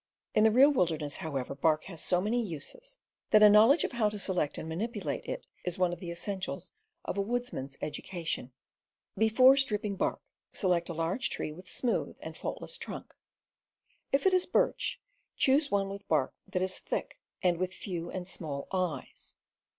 In the real wilderness, however, bark has so many uses, that a knowledge of how to select and manipulate it is one of the essentials of a woodsman's education. Before stripping bark, select a large tree with smoothe and faultless trunk. If it is birch, choose one with bark that is thick and with few and small "eyes."